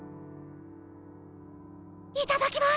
いただきます！